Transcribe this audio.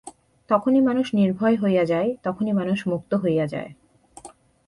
তখনই মানুষ নির্ভয় হইয়া যায়, তখনই মানুষ মুক্ত হইয়া যায়।